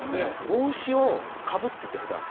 帽子をかぶってて普段。